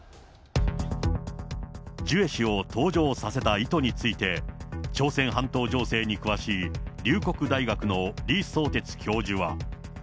ジュエ氏を登場させた意図について、朝鮮半島情勢に詳しい龍谷大学の李相哲教授は。